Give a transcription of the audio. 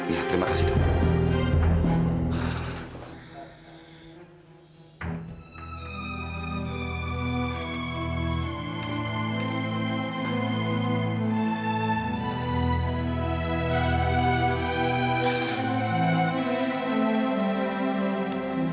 ya terima kasih dok